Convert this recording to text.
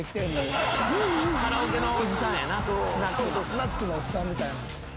スナックのおっさんみたいな。